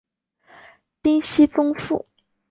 金熙宗父。